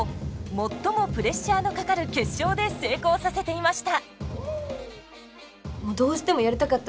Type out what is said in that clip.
最もプレッシャーのかかる決勝で成功させていました。